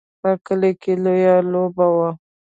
په کلي کې لویه لوبه وه.